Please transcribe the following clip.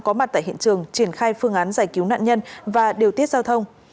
công an tp bến tre đã được triển khai phương án giải cứu nạn nhân và điều tiết giao thông